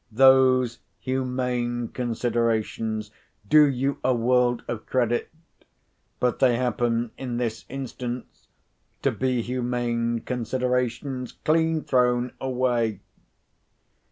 Those humane considerations do you a world of credit, but they happen in this instance to be humane considerations clean thrown away.